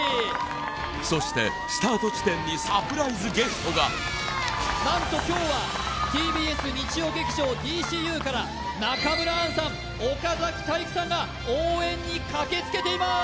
そしてスタート地点にサプライズゲストがなんと今日はＴＢＳ日曜劇場「ＤＣＵ」から中村アンさん岡崎体育さんが応援に駆けつけています！